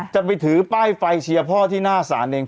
จะไปถือป้ายไฟเชียร์พ่อที่หน้าศาลเอง